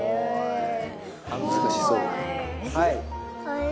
はい。